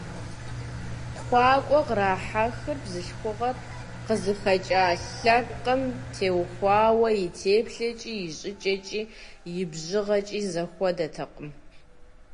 КхъуакӀэу кърахьэхыр бзылъхугъэр къызыхэкӀа лъэпкъым теухуауэ и теплъэкӀи, и щӀыкӀэкӀи, и бжыгъэкӀи зэхуэдэтэкъым.